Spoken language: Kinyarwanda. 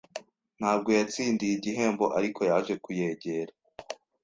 Ntabwo yatsindiye igihembo, ariko yaje kuyegera.